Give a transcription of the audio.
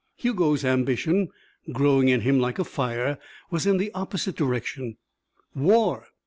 Hugo's ambition, growing in him like a fire, was in the opposite direction. War!